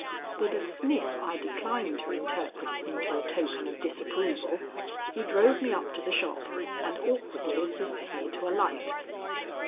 With a sniff I declined to interpret into a token of disapproval, he drove me up to the shop and awkwardly assisted me to alight.